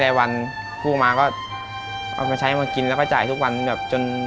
ซักวันกู้มาก็เอาไปใช้ให้มากินและก็จ่ายทุกวันจน